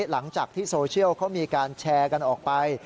หลังจากที่โซเชียลเขามีการแชร์กันออกไป